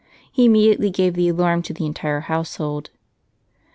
He immediately gave the alarm to the entire household.